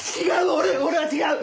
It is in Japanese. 俺俺は違う！